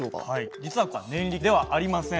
実はこれは念力ではありません。